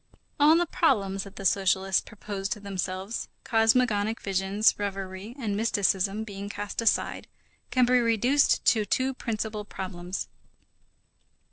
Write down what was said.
All the problems that the socialists proposed to themselves, cosmogonic visions, reverie and mysticism being cast aside, can be reduced to two principal problems.